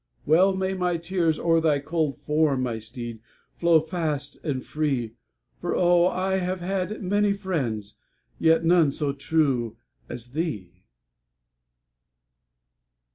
Well may my tears o'er thy cold form, My steed, flow fast and free, For, oh! I have had many friends, Yet none so true as thee!